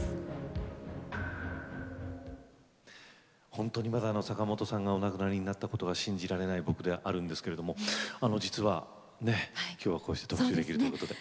本当にまだ坂本さんがお亡くなりになったことが信じられない僕であるんですけれども実はね今日はこうして特集できるということで。